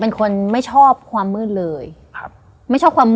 และยินดีต้อนรับทุกท่านเข้าสู่เดือนพฤษภาคมครับ